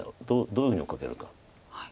どういうふうに追っかけるか。